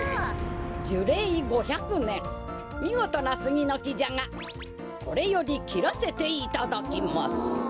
じゅれい５００ねんみごとなスギのきじゃがこれよりきらせていただきます。